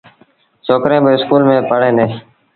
ڇوڪريݩ با اسڪول ميݩ پڙوهيݩ ديٚݩ ۔